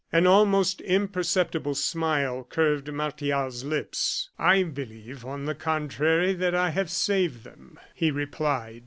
An almost imperceptible smile curved Martial's lips. "I believe, on the contrary, that I have saved them," he replied.